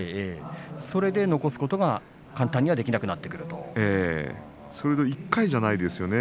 それで残すことが簡単にはできなくなるということなんですね。